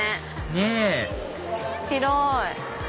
ねぇ広い！